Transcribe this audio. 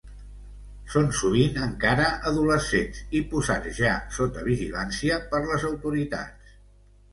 Són sovint encara adolescents i posats ja sota vigilància per les autoritats.